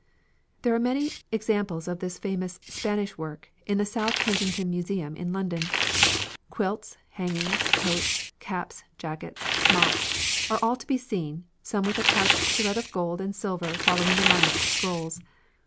There are many examples of this famous "Spanish work" in the South Kensington Museum in London. Quilts, hangings, coats, caps, jackets, smocks, are all to be seen, some with a couched thread of gold and silver following the lines of the scrolls.